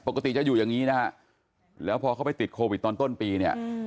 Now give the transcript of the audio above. ปกติจะอยู่อย่างนี้นะฮะแล้วพอเขาไปติดโควิดตอนต้นปีเนี่ย